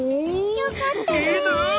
よかったね。